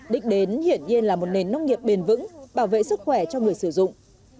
đích đến hiển nhiên là một nền nông nghiệp bền vững bảo vệ sức khỏe cho người sử dụng